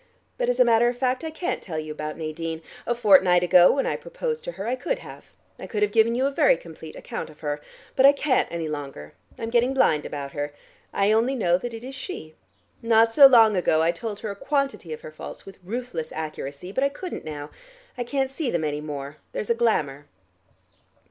But as a matter of fact I can't tell you about Nadine. A fortnight ago, when I proposed to her, I could have. I could have given you a very complete account of her. But I can't any longer: I am getting blind about her. I only know that it is she. Not so long ago I told her a quantity of her faults with ruthless accuracy, but I couldn't now. I can't see them any more: there's a glamor."